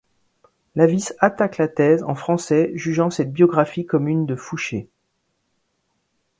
Lavisse attaque la thèse en français jugeant cette biographie comme une de Fouché.